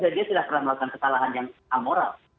dan dia tidak pernah melakukan kesalahan yang amoral